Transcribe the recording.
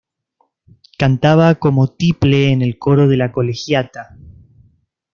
Cantaba como tiple en el coro de la Colegiata.